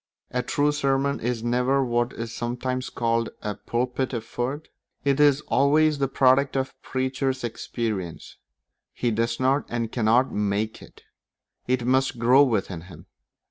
A true sermon is never what is sometimes called a pulpit effort; it is always the product of the preacher's experience; he does not and cannot make it; it must grow within him.